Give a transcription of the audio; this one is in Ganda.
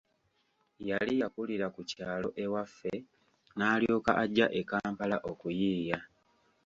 Yali yakulira ku kyalo ewaffe n'alyoka ajja e Kampala okuyiiya.